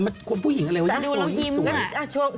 แต่มันควรผู้หญิงอะไรวะดูแล้วยิ้มกันแหละ